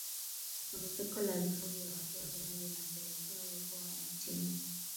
ongezeko la vifo vya watu wazima linapelekea uwepo wa yatima